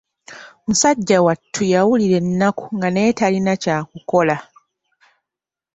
Musajja wattu yawulira ennaku nga naye talina kyakukola.